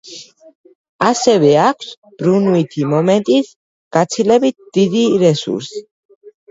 ასევე აქვს ბრუნვითი მომენტის გაცილებით დიდი რესურსი.